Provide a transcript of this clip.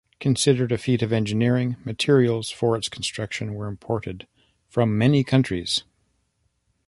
Considered a feat of engineering, materials for its construction were imported from many countries.